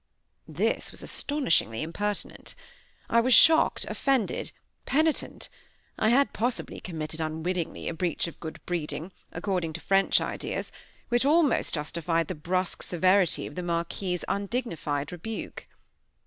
This was astonishingly impertinent. I was shocked, offended, penitent. I had possibly committed unwittingly a breach of good breeding, according to French ideas, which almost justified the brusque severity of the Marquis's undignified rebuke.